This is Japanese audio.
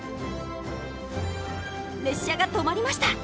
列車が止まりました。